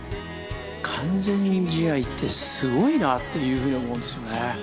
完全試合ってすごいなっていうふうに思うんですよね。